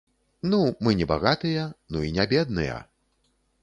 Ну, мы не багатыя, ну і не бедныя.